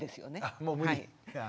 あもう無理。